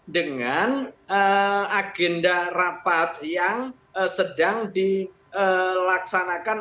dengan agenda rapat yang sedang dilaksanakan